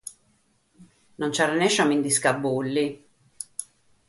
non rennèsciu a mi ndi scabulli